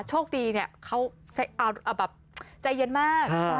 โชคดีเขาใจเย็นมาก